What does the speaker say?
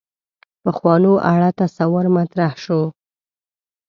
پخوانو اړه تصور مطرح شو.